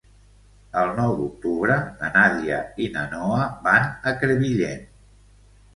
El nou d'octubre na Nàdia i na Noa van a Crevillent.